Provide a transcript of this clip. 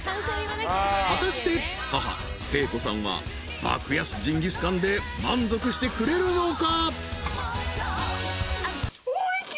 ［果たして母貞子さんは爆安ジンギスカンで満足してくれるのか？］